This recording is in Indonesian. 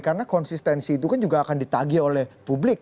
karena konsistensi itu kan juga akan ditagih oleh publik